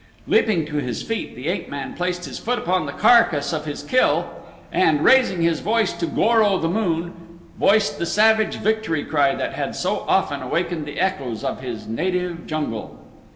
Leaping to his feet the ape man placed his foot upon the carcass of his kill and, raising his face to Goro, the moon, voiced the savage victory cry that had so often awakened the echoes of his native jungle.